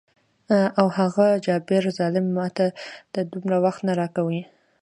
او هغه جبار ظلم ماته دومره وخت نه راکوي.